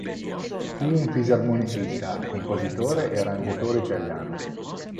Fu un fisarmonicista, compositore e arrangiatore italiano.